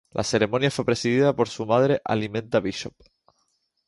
La ceremonia fue presidida por su madre Alimenta Bishop.